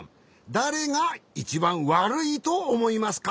だれがいちばんわるいとおもいますか？